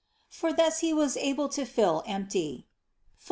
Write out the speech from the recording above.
For thus He was able to empty (Phil.